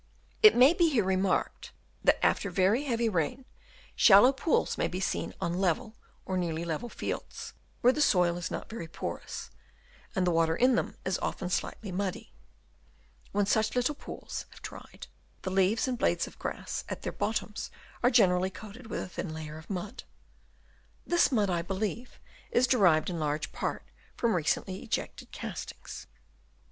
It may be here remarked that after very heavy rain shallow pools may be seen on level or nearly level fields, where the soil is not Chap. VI. AIDED BY WORMS. 277 very porous, and the water in them is often slightly muddy ; when such little pools have dried, the leaves and blades of grass at their bottoms are generally coated with a thin layer of mud. This mud I believe is derived in large part from recently ejected castings.